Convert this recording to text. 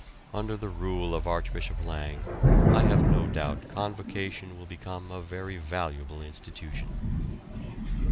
Under the rule of Archbishop Lang I have no doubt Convocation will become a very valuable institution.